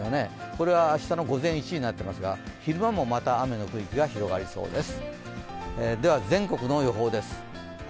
これは明日の午前１時になっていますが、昼間もまた雨の区域が広がりそうです。